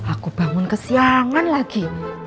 aku bangun kesiangan lagi